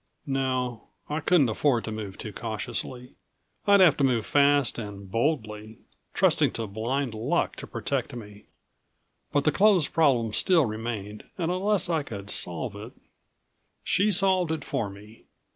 No I couldn't afford to move too cautiously. I'd have to move fast and boldly, trusting to blind ruck to protect me. But the clothes problem still remained, and unless I could solve it She solved it for me.